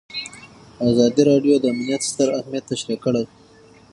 ازادي راډیو د امنیت ستر اهميت تشریح کړی.